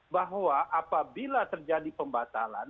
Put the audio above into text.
bahwa apabila terjadi pembatalan